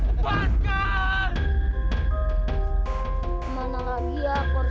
mana lagi aku harus mencari ibuku